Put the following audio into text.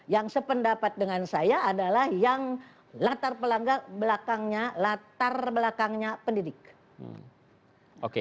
yang sependapat dengan saya adalah yang latar belakangnya pendidik